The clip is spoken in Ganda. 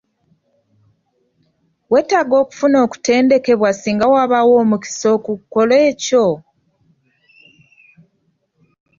Weetaaga okufuna okutendekebwa okusingako singa wabaawo omukisa okukola ekyo?